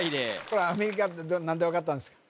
これアメリカって何で分かったんですか？